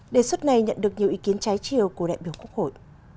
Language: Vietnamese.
đề xuất này nhận được nhiều ý kiến trái chiều của đại biểu quốc hội